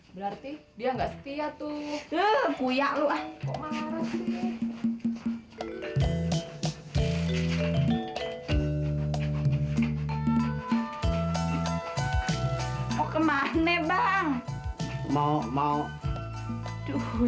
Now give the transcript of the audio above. berarti dia nggak setia tuh